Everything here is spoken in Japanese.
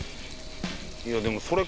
いやでもそれ。